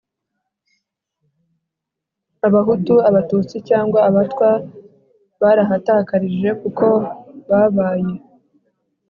Abahutu Abatutsi cyangwa Abatwa barahatakarije kuko babaye